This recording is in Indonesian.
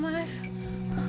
tenang saja bu